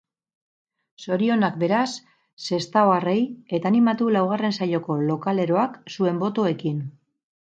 Zorionak beraz sestaoarrei eta animatu laugarren saioko lokaleroak zuen botoekin.